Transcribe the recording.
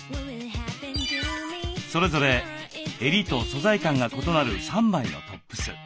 それぞれ襟と素材感が異なる３枚のトップス。